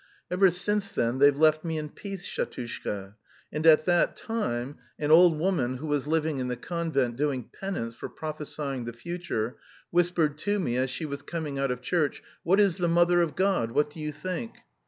Ever since then they've left me in peace, Shatushka. And at that time an old woman who was living in the convent doing penance for prophesying the future, whispered to me as she was coming out of church, 'What is the mother of God? What do you think?'